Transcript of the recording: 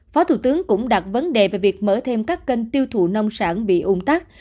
phó thủ tướng cũng đặt vấn đề về việc mở thêm các kênh tiêu thụ nông sản bị ung tắc